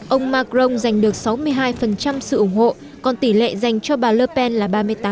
ông macron giành được sáu mươi hai sự ủng hộ còn tỷ lệ dành cho bà ler pen là ba mươi tám